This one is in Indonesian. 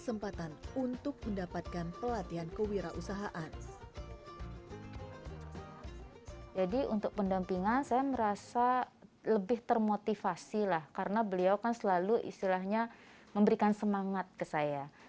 jadi untuk pendampingan saya merasa lebih termotivasi lah karena beliau kan selalu istilahnya memberikan semangat ke saya